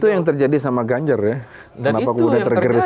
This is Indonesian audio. itu yang terjadi sama ganjar ya kenapa gue udah tergeris